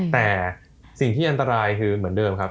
แต่สิ่งที่อันตรายคือเหมือนเดิมครับ